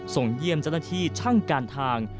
ส่งเยี่ยมเจ้าหน้าที่ช่างการทาง